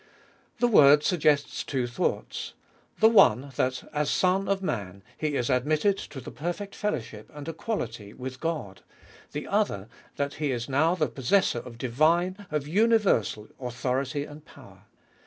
The word suggests two thoughts. The one, that as Son of Man He is admitted to the perfect fellowship and equality with God ; the other, that He is now possessor of divine, of universal authority and power.